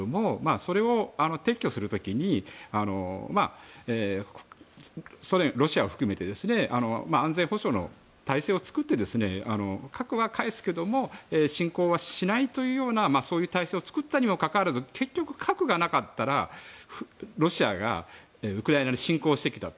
それを撤去する時にロシアを含めて安全保障の体制を作って核は返すけど侵攻はしないというそういう体制を作ったにもかかわらず結局、核がなかったらロシアがウクライナに侵攻してきた。